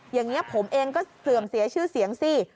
อย่างนี้ผมเองก็เสื่อมเสียชื่อเสียงสิ